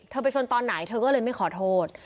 ไปชนตอนไหนเธอก็เลยไม่ขอโทษ